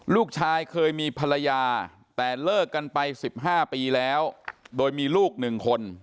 ลูกชายเคยมีภรรยาแต่เลิกกันไป๑๕ปีแล้วโดยมีลูก๑คน